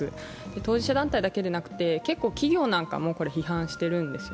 当事者団体だけでなく、結構、企業なんかも批判してるんです。